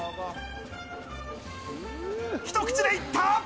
一口でいった。